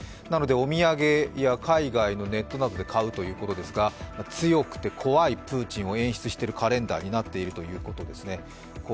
なのでお土産や海外のネットなどで買うということですが、強くて怖いプーチンを演出しているカレンダーということになっているようです。